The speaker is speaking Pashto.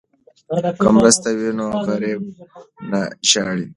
که مرسته وي نو غریب نه ژاړي.